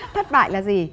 thất bại là gì